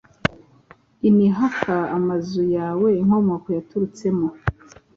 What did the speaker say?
inhaka amazu yaweInkomoko yaturutsemo